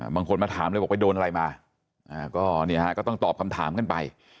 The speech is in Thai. บางคนมาถามเลยบอกไปโดนอะไรมาก็เนี่ยฮะก็ต้องตอบคำถามกันไป